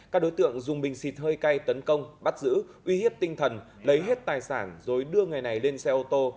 các đối tượng dùng bình xịt hơi cay tấn công bắt giữ uy hiếp tinh thần lấy hết tài sản rồi đưa người này lên xe ô tô